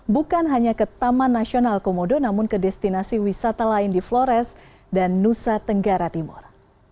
bukan hanya ke taman nasional komodo namun ke destinasi wisata lain di flores dan nusa tenggara timur